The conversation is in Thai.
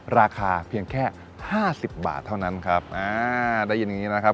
ราคาเพียงแค่ห้าสิบบาทเท่านั้นครับอ่าได้ยินอย่างงี้นะครับ